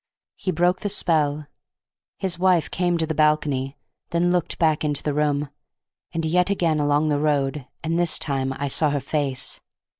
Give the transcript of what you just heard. He broke the spell. His wife came to the balcony, then looked back into the room, and yet again along the road, and this time I saw her face.